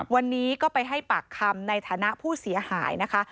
วันนี้ก็ไปให้ปากคำในฐานะผู้เสียหายนะคะ